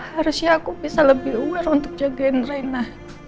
harusnya aku bisa lebih aware untuk jagain rena